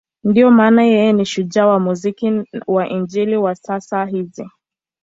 Ndiyo maana yeye ni shujaa wa muziki wa Injili wa sasa hizi.